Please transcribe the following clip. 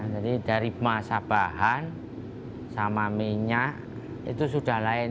jadi dari masa bahan sama minyak itu sudah lain